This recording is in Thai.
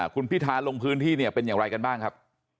คุณพิธาลงพื้นที่เนี่ยเป็นอย่างไรกันบ้างครับ